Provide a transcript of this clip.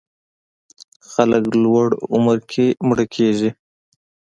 خلک لوړ عمر کې مړه کېږي.